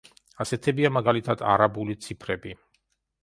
ასეთებია, მაგალითად, არაბული ციფრები.